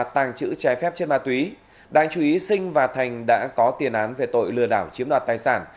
hàng chữ trái phép trên ma túy đảng chủ y sinh và thành đã có tiền án về tội lừa đảo chiếm đoạt tài sản